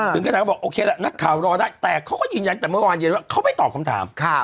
ขนาดก็บอกโอเคละนักข่าวรอได้แต่เขาก็ยืนยันแต่เมื่อวานเย็นว่าเขาไม่ตอบคำถาม